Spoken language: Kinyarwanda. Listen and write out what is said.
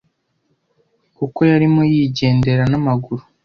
kuko yarimo yigendera n’amaguru.